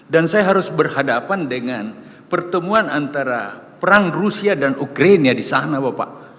dan saya harus berhadapan dengan pertemuan antara perang rusia dan ukraina di sana bapak